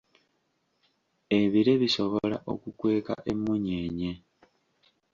Ebire bisobola okukweka emunyeenye.